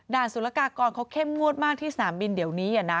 ด่านศูนยากากรเขาเข้มงวดมากที่สถานบินเดี๋ยวนี้นะ